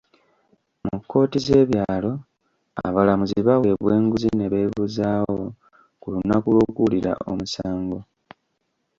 Mu kkooti z'ebyalo, abalamuzi baweebwa enguzi ne beebuzaawo ku lunaku lw'okuwulira omusango.